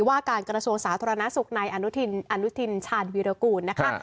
ว่าการกระทรวงสาธารณสุขในอนุทินอนุทินชาญวีรกูลนะคะ